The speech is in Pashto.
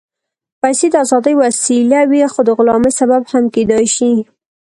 پېسې د ازادۍ وسیله وي، خو د غلامۍ سبب هم کېدای شي.